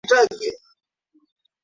Akiinama mgongo huuma